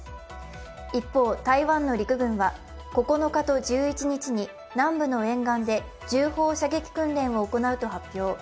一方、台湾の陸軍は９日と１１日に南部の沿岸で銃砲射撃訓練を行うと発表。